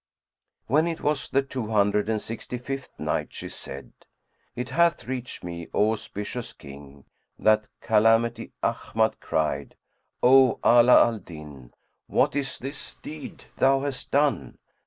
When it was the Two Hundred and Sixty fifth Night, She said, It hath reached me, O auspicious King, that Calamity Ahmad cried, "O Ala al Din, what is this deed thou hast done?